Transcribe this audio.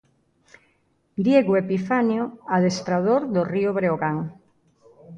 Diego Epifanio, adestrador do Río Breogán.